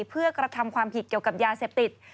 เพื่อกระทำความผิดเกี่ยวกับยาเสพติด